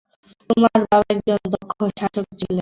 তোমার বাবা একজন দক্ষ শাসক ছিল।